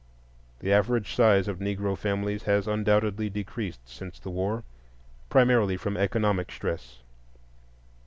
The average size of Negro families has undoubtedly decreased since the war, primarily from economic stress.